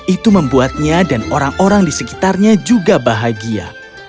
itu membuatnya dan orang orang di sekitarnya juga bahagia